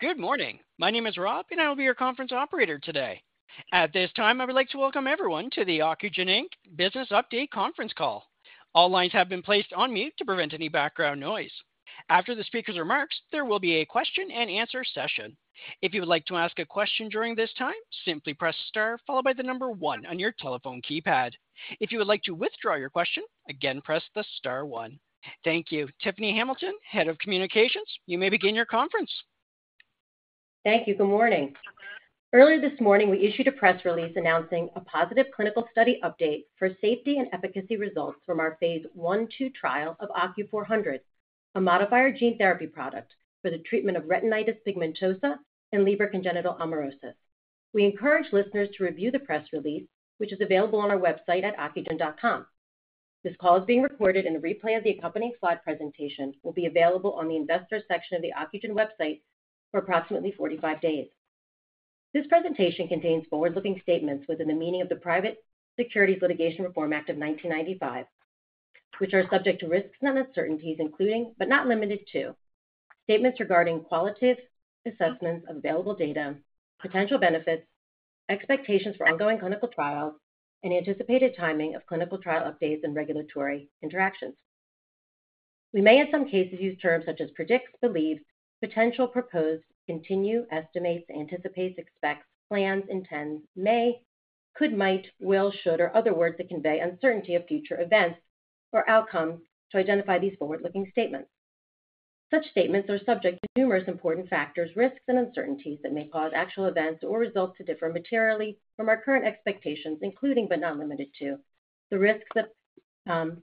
Good morning. My name is Rob, and I will be your conference operator today. At this time, I would like to welcome everyone to the Ocugen Inc Business Update Conference Call. All lines have been placed on mute to prevent any background noise. After the speaker's remarks, there will be a question-and-answer session. If you would like to ask a question during this time, simply press star followed by the number one on your telephone keypad. If you would like to withdraw your question, again, press the star one. Thank you. Tiffany Hamilton, Head of Communications, you may begin your conference. Thank you. Good morning. Earlier this morning, we issued a press release announcing a positive clinical study update for safety and efficacy results from our phase I/II trial of OCU400, a modifier gene therapy product for the treatment of retinitis pigmentosa and Leber congenital amaurosis. We encourage listeners to review the press release, which is available on our website at ocugen.com. This call is being recorded, and a replay of the accompanying slide presentation will be available on the Investor section of the Ocugen website for approximately 45 days. This presentation contains forward-looking statements within the meaning of the Private Securities Litigation Reform Act of 1995, which are subject to risks and uncertainties, including, but not limited to, statements regarding qualitative assessments of available data, potential benefits, expectations for ongoing clinical trials, and anticipated timing of clinical trial updates and regulatory interactions. We may, in some cases, use terms such as predicts, believes, potential, proposed, continue, estimates, anticipates, expects, plans, intends, may, could, might, will, should, or other words that convey uncertainty of future events or outcomes to identify these forward-looking statements. Such statements are subject to numerous important factors, risks, and uncertainties that may cause actual events or results to differ materially from our current expectations, including but not limited to, the risks that,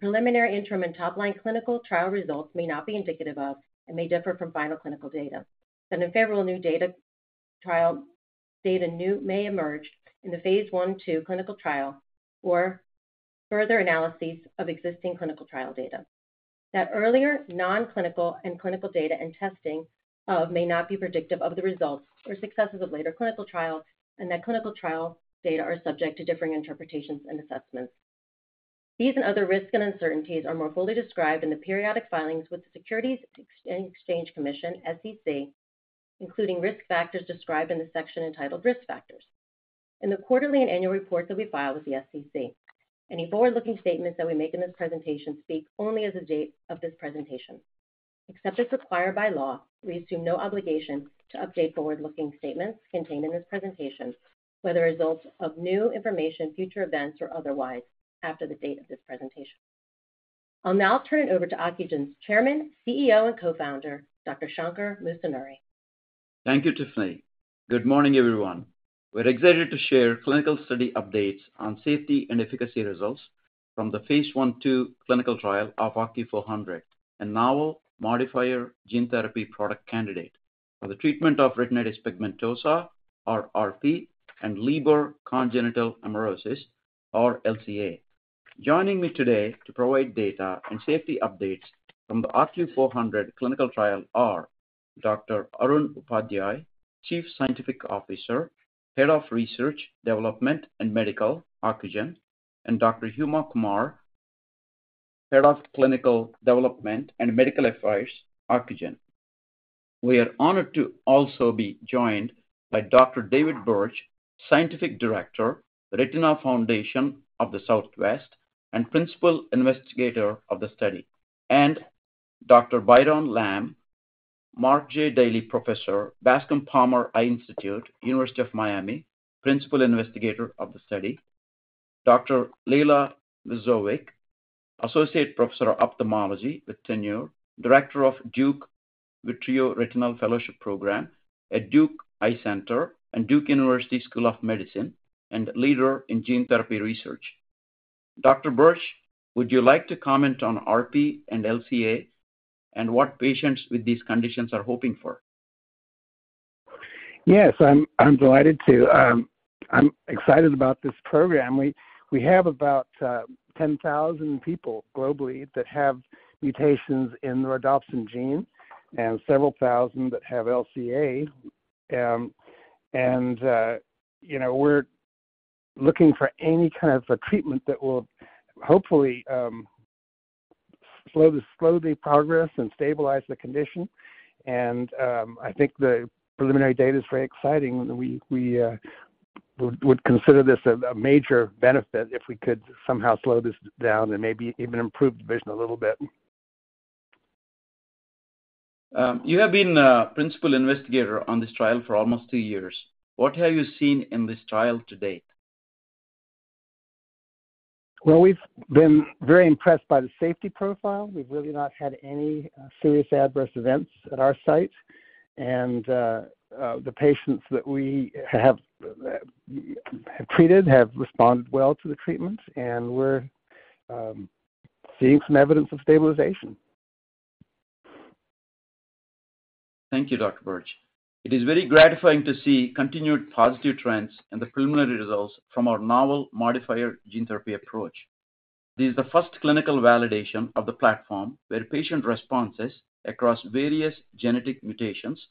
preliminary, interim, and top-line clinical trial results may not be indicative of and may differ from final clinical data. In favorable new data trial, data new may emerge in the phase I/II clinical trial or further analyses of existing clinical trial data. That earlier non-clinical and clinical data and testing may not be predictive of the results or successes of later clinical trials, and that clinical trial data are subject to differing interpretations and assessments. These and other risks and uncertainties are more fully described in the periodic filings with the Securities and Exchange Commission, SEC, including risk factors described in the section entitled Risk Factors. In the quarterly and annual reports that we file with the SEC, any forward-looking statements that we make in this presentation speak only as of the date of this presentation. Except as required by law, we assume no obligation to update forward-looking statements contained in this presentation, whether as a result of new information, future events, or otherwise after the date of this presentation. I'll now turn it over to Ocugen's Chairman, CEO, and Co-founder, Dr. Shankar Musunuri. Thank you, Tiffany. Good morning, everyone. We're excited to share clinical study updates on safety and efficacy results from the phase I/II clinical trial of OCU400, a novel modifier gene therapy product candidate for the treatment of retinitis pigmentosa, or RP, and Leber congenital amaurosis, or LCA. Joining me today to provide data and safety updates from the OCU400 clinical trial are Dr. Arun Upadhyay, Chief Scientific Officer, Head of Research, Development, and Medical, Ocugen, and Dr. Huma Qamar, Head of Clinical Development and Medical Affairs, Ocugen. We are honored to also be joined by Dr. David Birch, Scientific Director, Retina Foundation of the Southwest, and Principal Investigator of the study, and Dr. Byron Lam, Mark J. Daily Professor, Bascom Palmer Eye Institute, University of Miami, Principal Investigator of the study. Dr. Lejla Vajzovic, Associate Professor of Ophthalmology with tenure, Director of Duke Vitreoretinal Fellowship program at Duke Eye Center and Duke University School of Medicine, and leader in gene therapy research. Dr. Birch, would you like to comment on RP and LCA and what patients with these conditions are hoping for? Yes, I'm delighted to. I'm excited about this program. We have about 10,000 people globally that have mutations in the rhodopsin gene and several thousand that have LCA. And you know, we're looking for any kind of a treatment that will hopefully slow the progress and stabilize the condition. I think the preliminary data is very exciting. We would consider this a major benefit if we could somehow slow this down and maybe even improve the vision a little bit. You have been a principal investigator on this trial for almost two years. What have you seen in this trial to date? Well, we've been very impressed by the safety profile. We've really not had any serious adverse events at our site. And the patients that we have have treated have responded well to the treatment, and we're seeing some evidence of stabilization. Thank you, Dr. Birch. It is very gratifying to see continued positive trends in the preliminary results from our novel modifier gene therapy approach. This is the first clinical validation of the platform, where patient responses across various genetic mutations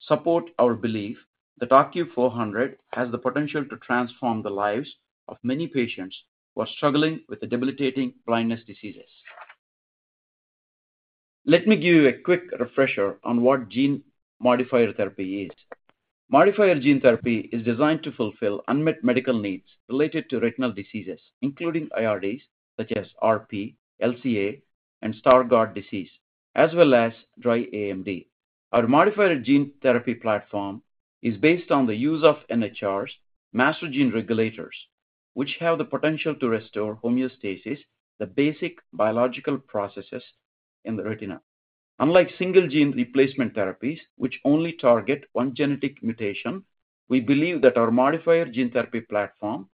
support our belief that OCU400 has the potential to transform the lives of many patients who are struggling with the debilitating blinding diseases... Let me give you a quick refresher on what gene modifier therapy is. Modifier gene therapy is designed to fulfill unmet medical needs related to retinal diseases, including IRDs, such as RP, LCA, and Stargardt disease, as well as dry AMD. Our modifier gene therapy platform is based on the use of NHRs, master gene regulators, which have the potential to restore homeostasis, the basic biological processes in the retina. Unlike single gene replacement therapies, which only target one genetic mutation, we believe that our modifier gene therapy platform,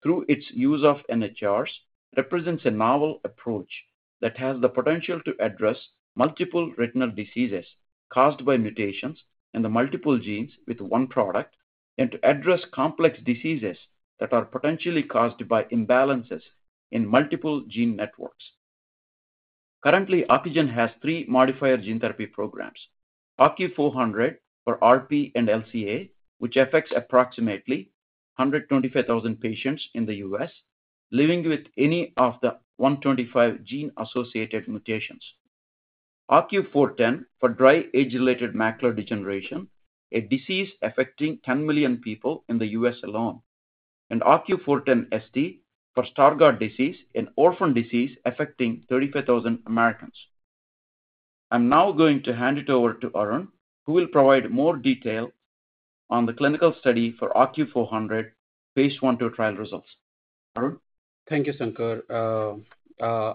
through its use of NHRs, represents a novel approach that has the potential to address multiple retinal diseases caused by mutations in the multiple genes with one product, and to address complex diseases that are potentially caused by imbalances in multiple gene networks. Currently, Ocugen has three modifier gene therapy programs: OCU400 for RP and LCA, which affects approximately 125,000 patients in the U.S., living with any of the 125 gene-associated mutations. OCU410 for dry age-related macular degeneration, a disease affecting 10 million people in the U.S. alone. And OCU410ST for Stargardt disease, an orphan disease affecting 35,000 Americans. I'm now going to hand it over to Arun, who will provide more detail on the clinical study for OCU400 phase I/II trial results. Arun? Thank you, Shankar.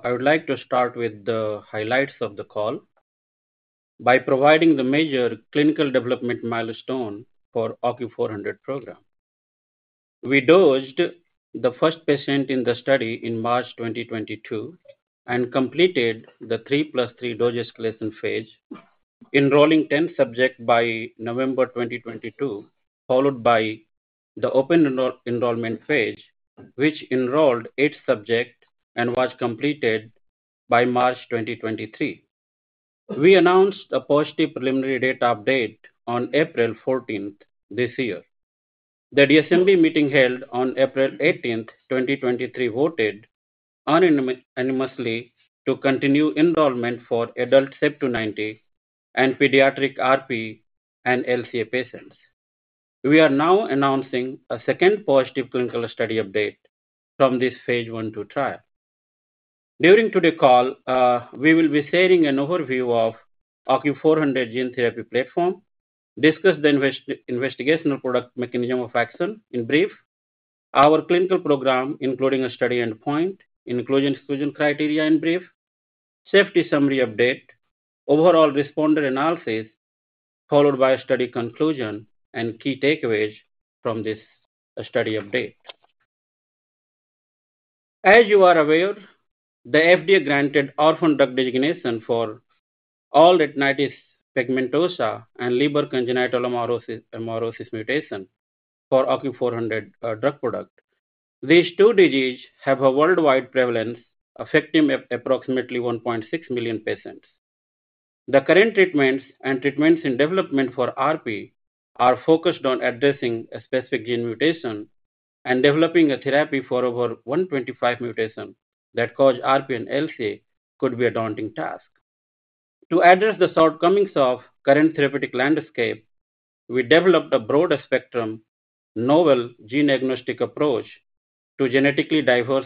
I would like to start with the highlights of the call by providing the major clinical development milestone for OCU400 program. We dosed the first patient in the study in March 2022, and completed the 3 + 3 dosage escalation phase, enrolling 10 subjects by November 2022, followed by the open enrollment phase, which enrolled eight subjects and was completed by March 2023. We announced a positive preliminary data update on April 14th ththis year. The DSMB meeting, held on April 18, 2023, voted unanimously to continue enrollment for adult CEP290 and pediatric RP and LCA patients. We are now announcing a second positive clinical study update from this phase I/II trial. During today's call, we will be sharing an overview of OCU400 gene therapy platform, discuss the investigational product mechanism of action in brief, our clinical program, including a study endpoint, inclusion/exclusion criteria in brief, safety summary update, overall responder analysis, followed by study conclusion and key takeaways from this study update. As you are aware, the FDA granted orphan drug designation for all retinitis pigmentosa and Leber congenital amaurosis, amaurosis mutation for OCU400 drug product. These two disease have a worldwide prevalence, affecting approximately 1.6 million patients. The current treatments and treatments in development for RP are focused on addressing a specific gene mutation, and developing a therapy for over 125 mutations that cause RP and LCA could be a daunting task. To address the shortcomings of current therapeutic landscape, we developed a broader-spectrum, novel, gene-agnostic approach to genetically diverse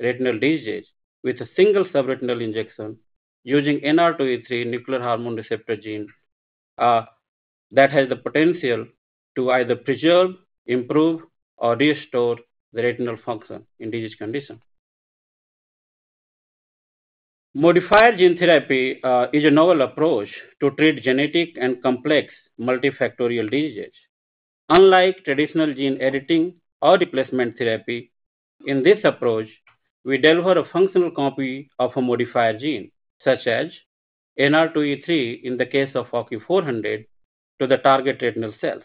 retinal diseases with a single subretinal injection using NR2E3 nuclear hormone receptor gene, that has the potential to either preserve, improve, or restore the retinal function in this condition. Modifier gene therapy is a novel approach to treat genetic and complex multifactorial diseases. Unlike traditional gene editing or replacement therapy, in this approach, we deliver a functional copy of a modifier gene, such as NR2E3, in the case of OCU400, to the target retinal cells.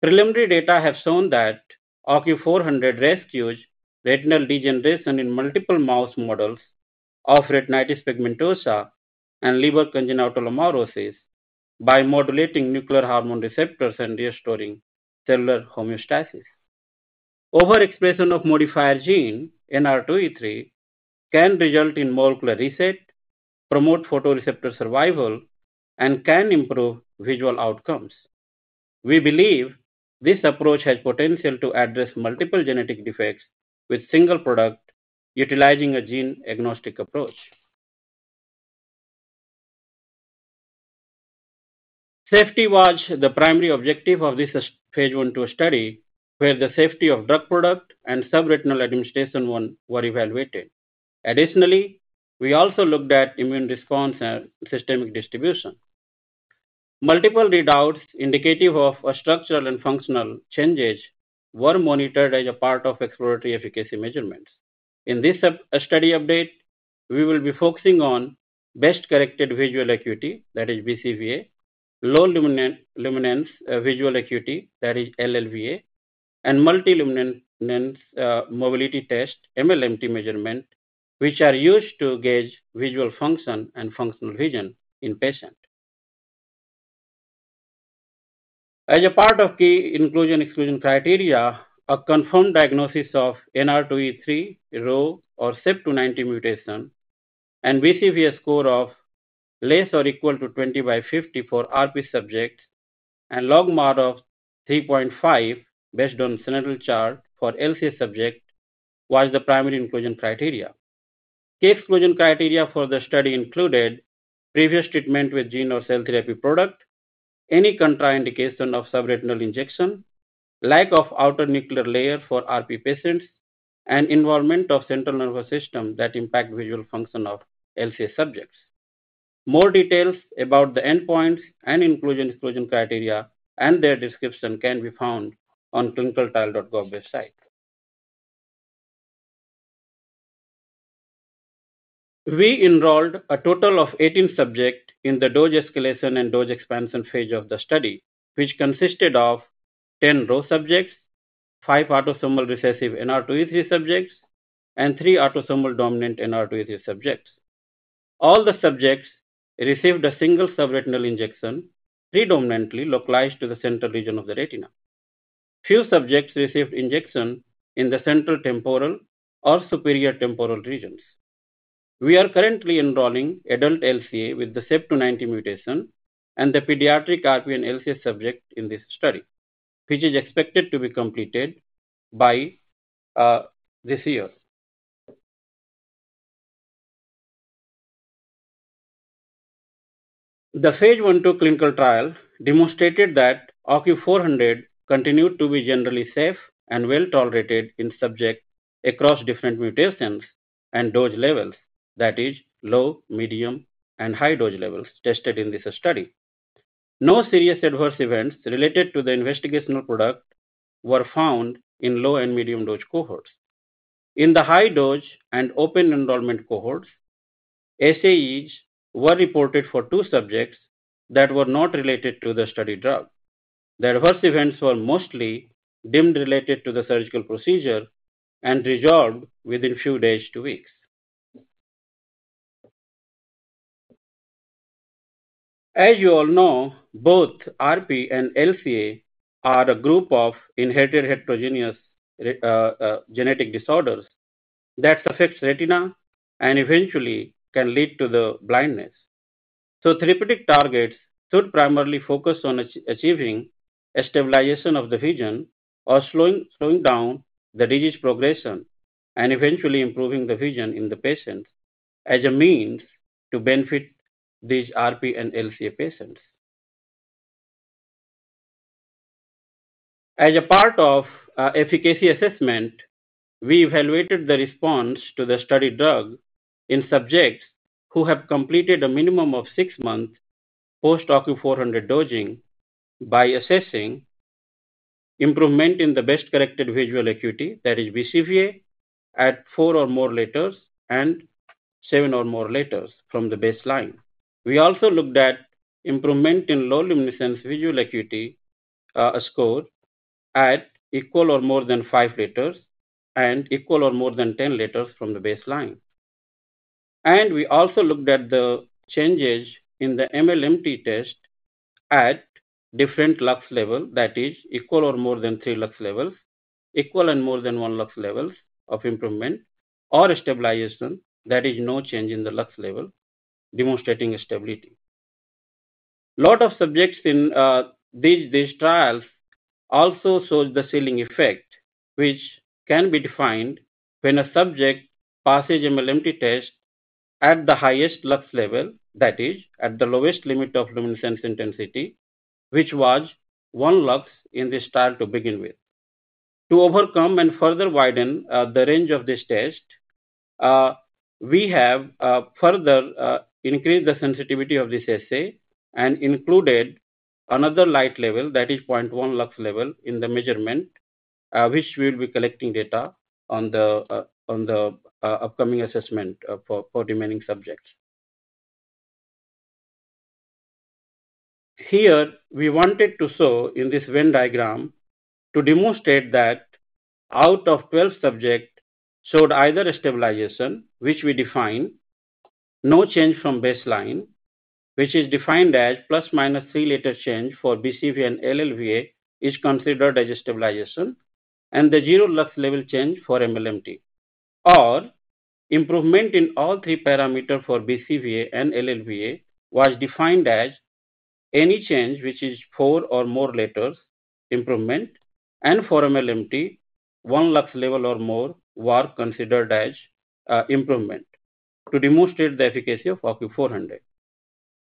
Preliminary data have shown that OCU400 rescues retinal degeneration in multiple mouse models of retinitis pigmentosa and Leber congenital amaurosis by modulating nuclear hormone receptors and restoring cellular homeostasis. Overexpression of modifier gene, NR2E3, can result in molecular reset, promote photoreceptor survival, and can improve visual outcomes. We believe this approach has potential to address multiple genetic defects with single product, utilizing a gene-agnostic approach. Safety was the primary objective of this phase I/II study, where the safety of drug product and subretinal administration were evaluated. Additionally, we also looked at immune response and systemic distribution. Multiple readouts indicative of structural and functional changes were monitored as a part of exploratory efficacy measurements. In this sub study update, we will be focusing on best corrected visual acuity, that is BCVA, low luminance visual acuity, that is LLVA, and multi-luminance mobility test, MLMT measurement, which are used to gauge visual function and functional vision in patient. As a part of key inclusion/exclusion criteria, a confirmed diagnosis of NR2E3, RHO, or CEP290 mutation, and BCVA score of less or equal to 20/50 for RP subjects, and logMAR of 3.5, based on Snellen chart for LCA subject, was the primary inclusion criteria. Key exclusion criteria for the study included: previous treatment with gene or cell therapy product, any contraindication of subretinal injection, lack of outer nuclear layer for RP patients, and involvement of central nervous system that impact visual function of LCA subjects. More details about the endpoints and inclusion/exclusion criteria and their description can be found on ClinicalTrials.gov website. We enrolled a total of 18 subjects in the dose escalation and dose expansion phase of the study, which consisted of 10 RHO subjects, five autosomal recessive NR2E3 subjects, and three autosomal dominant NR2E3 subjects. All the subjects received a single subretinal injection, predominantly localized to the central region of the retina. Few subjects received injection in the central temporal or superior temporal regions. We are currently enrolling adult LCA with the CEP290 mutation and the pediatric RP and LCA subject in this study, which is expected to be completed by this year. The phase I/II clinical trial demonstrated that OCU400 continued to be generally safe and well-tolerated in subjects across different mutations and dose levels, that is, low, medium, and high dose levels tested in this study. No serious adverse events related to the investigational product were found in low and medium dose cohorts. In the high dose and open enrollment cohorts, SAEs were reported for two subjects that were not related to the study drug. The adverse events were mostly deemed related to the surgical procedure and resolved within few days to weeks. As you all know, both RP and LCA are a group of inherited heterogeneous genetic disorders that affects retina and eventually can lead to the blindness. So therapeutic targets should primarily focus on achieving a stabilization of the vision or slowing, slowing down the disease progression, and eventually improving the vision in the patients as a means to benefit these RP and LCA patients. As a part of efficacy assessment, we evaluated the response to the study drug in subjects who have completed a minimum of six months post-OCU400 dosing by assessing improvement in the best corrected visual acuity, that is BCVA, at four or more letters and seven or more letters from the baseline. We also looked at improvement in low luminance visual acuity score at equal or more than five letters and equal or more than 10 letters from the baseline. We also looked at the changes in the MLMT test at different lux level, that is equal or more than three lux levels, equal and more than one lux levels of improvement or stabilization, that is no change in the lux level, demonstrating stability. Lot of subjects in these trials also shows the ceiling effect, which can be defined when a subject passes MLMT test at the highest lux level, that is at the lowest limit of luminescence intensity, which was one lux in this trial to begin with. To overcome and further widen the range of this test, we have further increased the sensitivity of this assay and included another light level, that is 0.1 lux level, in the measurement, which we will be collecting data on the upcoming assessment for remaining subjects. Here, we wanted to show in this Venn diagram to demonstrate that out of 12 subjects showed either a stabilization, which we define, no change from baseline, which is defined as ±3 letter change for BCVA and LLVA, is considered as a stabilization and the zero lux level change for MLMT. Or improvement in all 3 parameter for BCVA and LLVA was defined as any change which is four or more letters, improvement, and for MLMT, 1 lux level or more, were considered as improvement to demonstrate the efficacy of OCU400.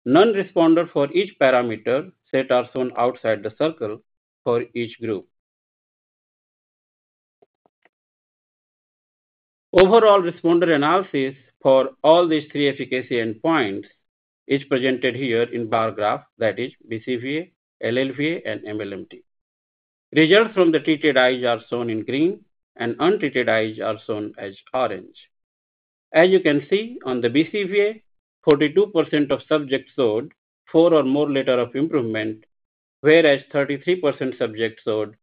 Non-responder for each parameter set are shown outside the circle for each group. Overall responder analysis for all these three efficacy endpoints is presented here in bar graph, that is BCVA, LLVA, and MLMT. Results from the treated eyes are shown in green, and untreated eyes are shown as orange. As you can see on the BCVA, 42% of subjects showed four or more letters of improvement, whereas 33% subjects showed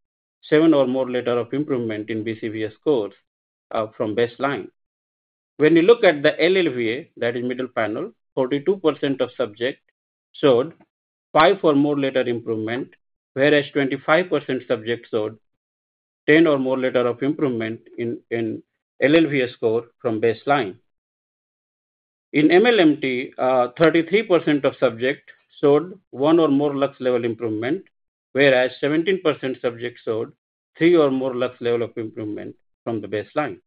seven or more letters of improvement in BCVA scores from baseline. When you look at the LLVA, that is middle panel, 42% of subjects showed five or more letters improvement, whereas 25% subjects showed 10 or more letters of improvement in LLVA score from baseline. In MLMT, 33% of subjects showed one or more lux levels improvement, whereas 17% subjects showed three or more lux levels of improvement from the baseline.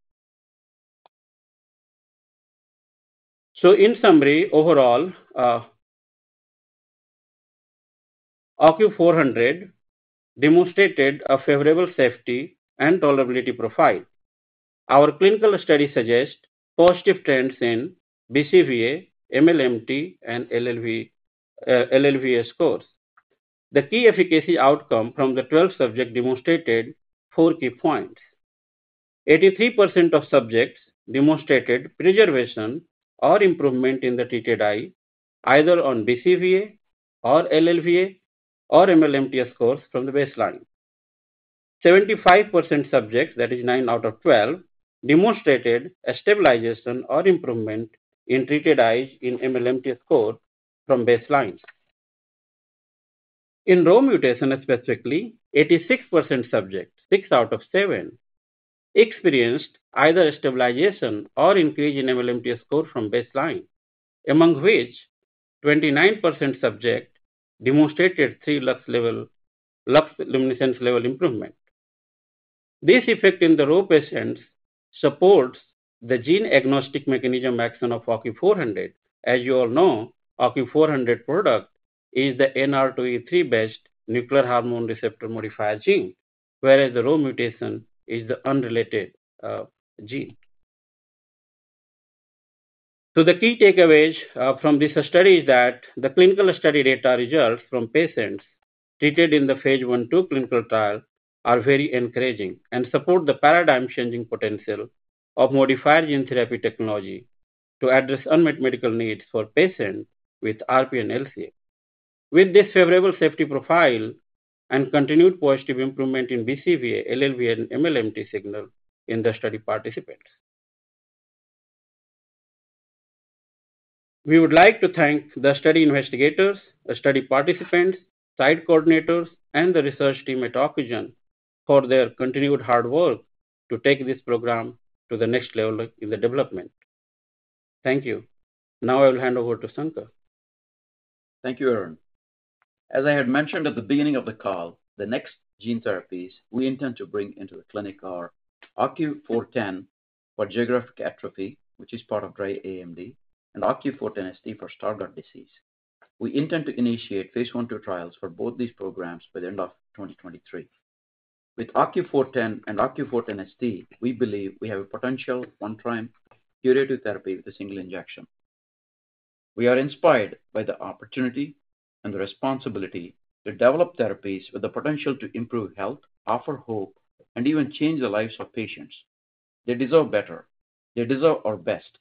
So in summary, overall, OCU400 demonstrated a favorable safety and tolerability profile. Our clinical study suggests positive trends in BCVA, MLMT, and LLVA scores. The key efficacy outcome from the 12 subjects demonstrated four key points. 83% of subjects demonstrated preservation or improvement in the treated eye, either on BCVA or LLVA or MLMT scores from the baseline. 75% subjects, that is nine out of 12, demonstrated a stabilization or improvement in treated eyes in MLMT score from baseline. In RHO mutation, specifically, 86% subjects, six out of seven, experienced either stabilization or increase in MLMT score from baseline, among which 29% subject demonstrated three lux luminance level improvement. This effect in the RHO patients supports the gene agnostic mechanism action of OCU400. As you all know, OCU400 product is the NR2E3-based nuclear hormone receptor modifier gene, whereas the RHO mutation is the unrelated gene. So the key takeaways from this study is that the clinical study data results from patients treated in the phase I/II clinical trial are very encouraging and support the paradigm-changing potential of modifier gene therapy technology to address unmet medical needs for patients with RP and LCA. With this favorable safety profile and continued positive improvement in BCVA, LLVA, and MLMT signal in the study participants. We would like to thank the study investigators, the study participants, site coordinators, and the research team at Ocugen for their continued hard work to take this program to the next level in the development. Thank you. Now I will hand over to Shankar. Thank you, Arun. As I had mentioned at the beginning of the call, the next gene therapies we intend to bring into the clinic are OCU410 for geographic atrophy, which is part of dry AMD, and OCU410ST for Stargardt disease. We intend to initiate phase I/II trials for both these programs by the end of 2023. With OCU410 and OCU410ST, we believe we have a potential one-time curative therapy with a single injection. We are inspired by the opportunity and the responsibility to develop therapies with the potential to improve health, offer hope, and even change the lives of patients. They deserve better. They deserve our best.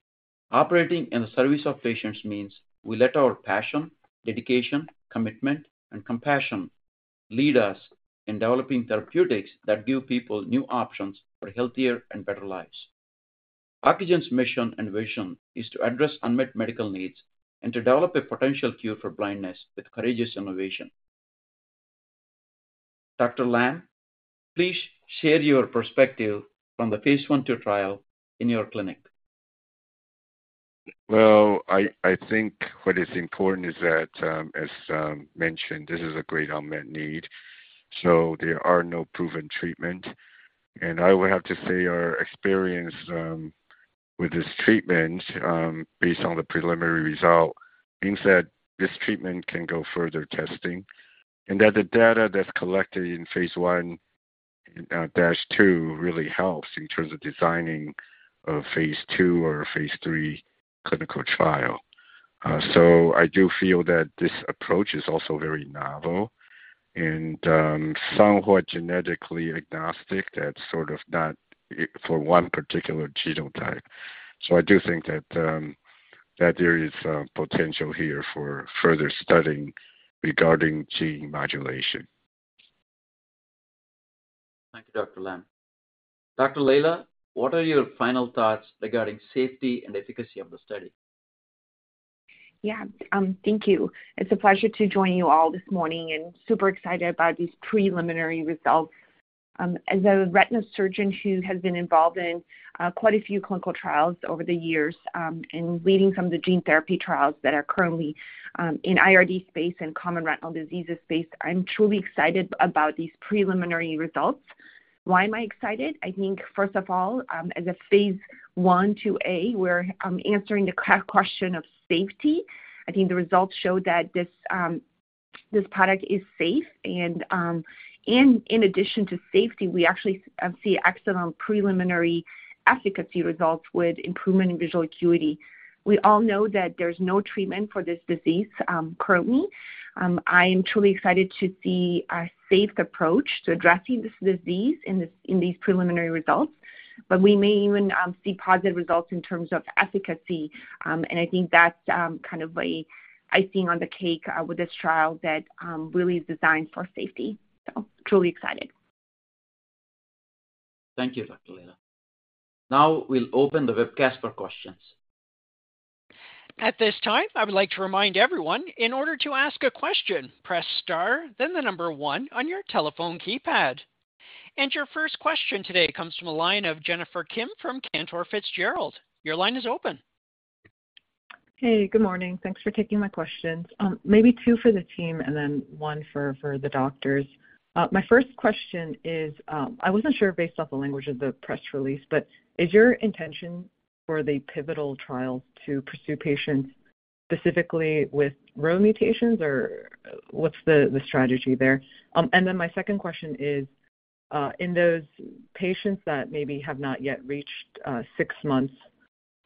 Operating in the service of patients means we let our passion, dedication, commitment, and compassion lead us in developing therapeutics that give people new options for healthier and better lives. Ocugen's mission and vision is to address unmet medical needs and to develop a potential cure for blindness with courageous innovation. Dr. Lam, please share your perspective from the phase I/II trial in your clinic. Well, I think what is important is that, as mentioned, this is a great unmet need, so there are no proven treatment. And I would have to say our experience with this treatment based on the preliminary result means that this treatment can go further testing, and that the data that's collected in phase I/II really helps in terms of designing a phase II or a phase III clinical trial. So I do feel that this approach is also very novel and somewhat genetically agnostic. That's sort of not for one particular genotype. So I do think that there is potential here for further studying regarding gene modulation. Thank you, Dr. Lam. Dr. Lejla, what are your final thoughts regarding safety and efficacy of the study? Yeah, thank you. It's a pleasure to join you all this morning, and super excited about these preliminary results. As a retina surgeon who has been involved in quite a few clinical trials over the years, and leading some of the gene therapy trials that are currently in IRD space and common retinal diseases space, I'm truly excited about these preliminary results. Why am I excited? I think, first of all, as a phase I/IIa, we're answering the key question of safety. I think the results show that this product is safe and, in addition to safety, we actually see excellent preliminary efficacy results with improvement in visual acuity. We all know that there's no treatment for this disease, currently. I am truly excited to see a safe approach to addressing this disease in these preliminary results, but we may even see positive results in terms of efficacy. And I think that's kind of icing on the cake with this trial that really is designed for safety. So truly excited. Thank you, Dr. Lejla. Now we'll open the webcast for questions. At this time, I would like to remind everyone, in order to ask a question, press Star, then the number one on your telephone keypad. Your first question today comes from the line of Jennifer Kim from Cantor Fitzgerald. Your line is open. Hey, good morning. Thanks for taking my questions. Maybe two for the team and then one for the doctors. My first question is, I wasn't sure based off the language of the press release, but is your intention for the pivotal trial to pursue patients specifically with RHO mutations, or what's the strategy there? And then my second question is, in those patients that maybe have not yet reached six months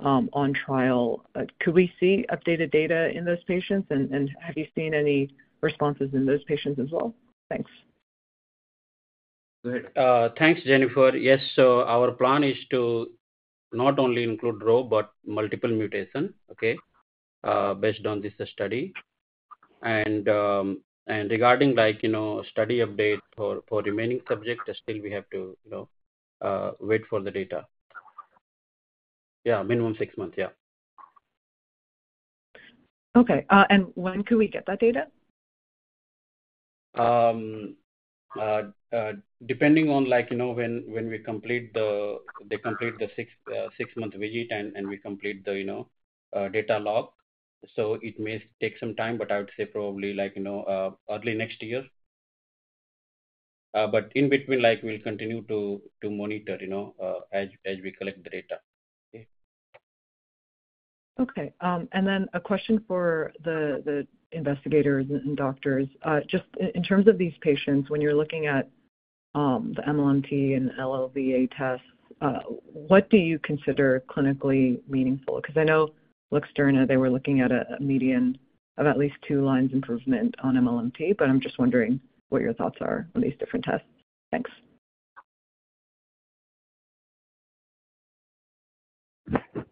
on trial, could we see updated data in those patients? And have you seen any responses in those patients as well? Thanks. Great. Thanks, Jennifer. Yes, so our plan is to not only include RHO but multiple mutation, okay, based on this study. And, regarding, like, you know, study update for remaining subject, still we have to, you know, wait for the data. Yeah, minimum six months. Yeah. Okay. And when could we get that data? Depending on, like, you know, when we complete the—they complete the 6-month visit, and we complete the, you know, data log. So it may take some time, but I would say probably like, you know, early next year. But in between, like, we'll continue to monitor, you know, as we collect the data. Okay? Okay. And then a question for the investigators and doctors. Just in terms of these patients, when you're looking at the MLMT and LLVA tests, what do you consider clinically meaningful? Because I know Luxturna, they were looking at a median of at least two lines improvement on MLMT, but I'm just wondering what your thoughts are on these different tests. Thanks. Dr. Birch.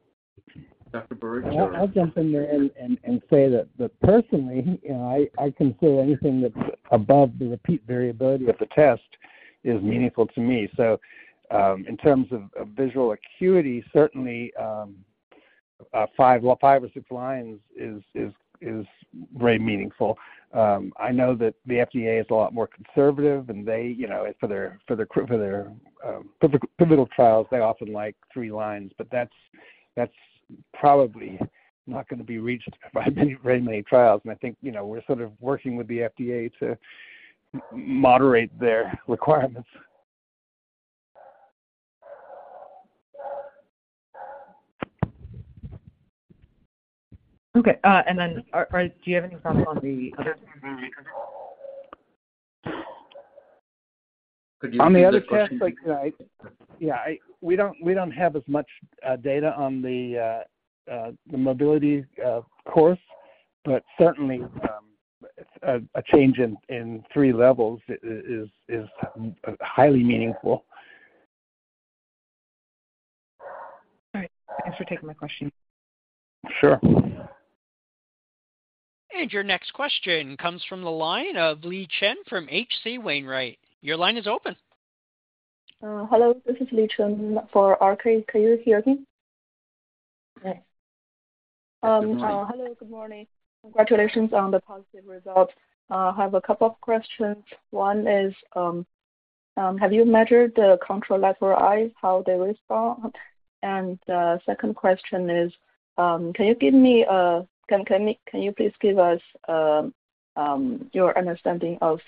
I'll jump in there and say that personally, you know, I consider anything that's above the repeat variability of the test is meaningful to me. So, in terms of visual acuity, certainly five, well, five or six lines is very meaningful. I know that the FDA is a lot more conservative, and they, you know, for the pivotal trials, they often like three lines. But that's probably not going to be reached by many, very many trials. And I think, you know, we're sort of working with the FDA to moderate their requirements. Okay. And then, do you have any thoughts on the other? Could you- On the other question, like, yeah, we don't have as much data on the mobility course, but certainly a change in three levels is highly meaningful. All right. Thanks for taking my question. Sure. Your next question comes from the line of Yi Chen from HC Wainwright. Your line is open. Hello, this is Yi Chen for RK. Can you hear me? Yes. Hello, good morning. Congratulations on the positive results. I have a couple of questions. One is, have you measured the contralateral eye, how they respond? Second question is, can you please give us your understanding of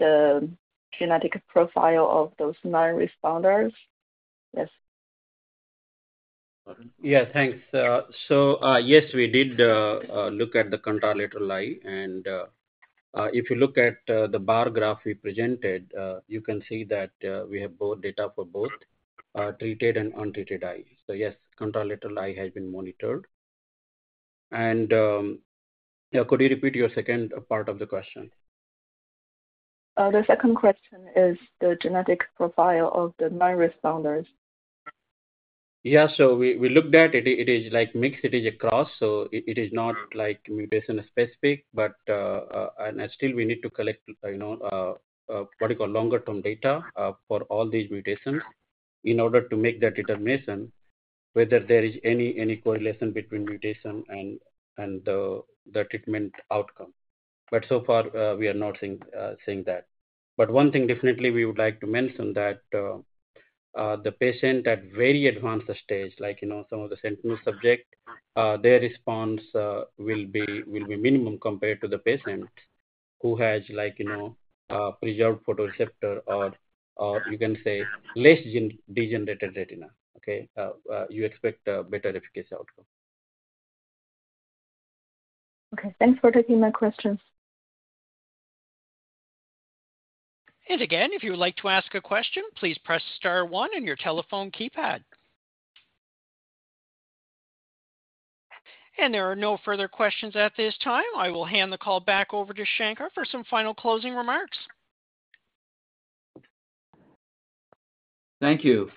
the genetic profile of those nine responders? Yes. Yeah, thanks. So, yes, we did look at the contralateral eye, and if you look at the bar graph we presented, you can see that we have both data for both treated and untreated eyes. So yes, contralateral eye has been monitored. And yeah, could you repeat your second part of the question? The second question is the genetic profile of the nine responders. Yeah. So we looked at it. It is like mixed. It is across, so it is not like mutation-specific, but, and still we need to collect, you know, what you call longer-term data, for all these mutations in order to make that determination whether there is any correlation between mutation and the treatment outcome. But so far, we are not seeing that. But one thing definitely we would like to mention that, the patient at very advanced stage, like, you know, some of the sentinel subject, their response, will be minimum compared to the patient who has like, you know, preserved photoreceptor or you can say less degenerated retina, okay? You expect a better efficacy outcome. Okay. Thanks for taking my questions. Again, if you would like to ask a question, please press star one on your telephone keypad. There are no further questions at this time. I will hand the call back over to Shankar for some final closing remarks. Thank you.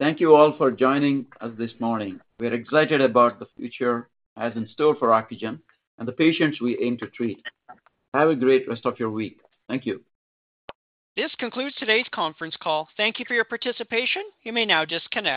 Thank you all for joining us this morning. We're excited about the future in store for Ocugen and the patients we aim to treat. Have a great rest of your week. Thank you. This concludes today's conference call. Thank you for your participation. You may now disconnect.